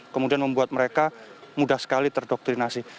kemudian membuat mereka mudah sekali terdoktrinasi